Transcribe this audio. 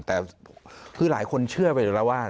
แต่คือหลายคนเชื่อไปอยู่แล้วว่า